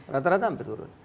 rata rata sampai turun